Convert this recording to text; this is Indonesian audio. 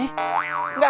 enggak enggak enggak